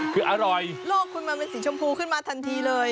คืออร่อยโลกคุณมันเป็นสีชมพูขึ้นมาทันทีเลย